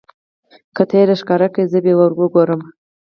که تۀ یې راښکاره کړې زه به یې وګورمه.